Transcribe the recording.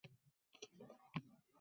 Muhimi, oila buzilmasin